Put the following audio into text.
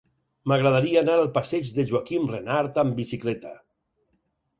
M'agradaria anar al passeig de Joaquim Renart amb bicicleta.